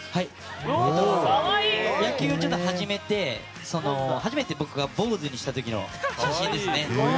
野球を始めて、初めて僕が坊主にした時の写真ですね。